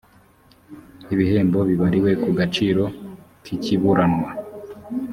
ibihembo bibariwe ku gaciro k ikiburanwa